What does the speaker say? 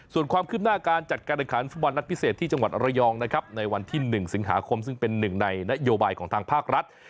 ส่วนความคืบหน้าการจัดการแข่งขันฟุตบอลนัดพิเศษที่จังหวัดระยองนะครับในวันที่๑สิงหาคมซึ่งเป็นหนึ่งในนโยบายของทางภาครัฐ